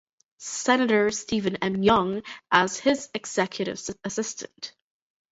Senator Stephen M. Young as his executive assistant.